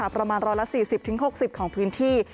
ประมาณ๑๔๐๖๐ของพื้นที่